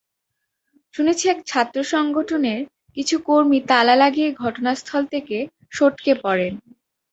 শুনেছি একটি ছাত্রসংগঠনের কিছু কর্মী তালা লাগিয়েই ঘটনাস্থল থেকে সটকে পড়েন।